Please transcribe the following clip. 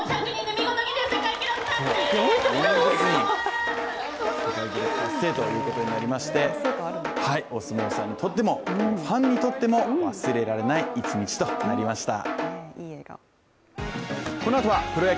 世界記録達成ということになりましてお相撲さんにとっても、ファンにとっても忘れられない一日となりました。